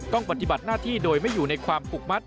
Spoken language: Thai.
ปฏิบัติหน้าที่โดยไม่อยู่ในความผูกมัด